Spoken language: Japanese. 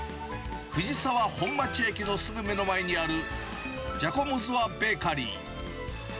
藤沢本町駅のすぐ目の前にある、ジャコモズ・ア・ベーカリー。